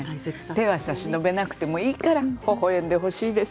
手を差し伸べなくてもいいからほほえんでほしいです。